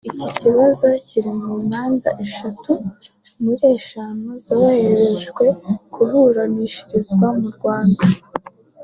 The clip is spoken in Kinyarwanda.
iki kibazo kiri mu manza eshatu muri eshanu zoherejwe kuburanishirizwa mu Rwanda